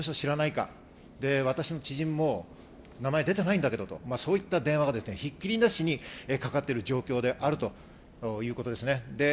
知人も名前出てないけどという電話がひっきりなしにかかっている状況であるということです。